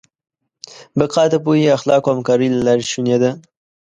بقا د پوهې، اخلاقو او همکارۍ له لارې شونې ده.